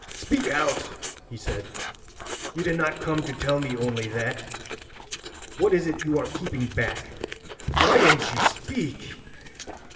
] "Speak out," he said; "you did not come to tell me only that. What is it you are keeping back? Why don't you speak?"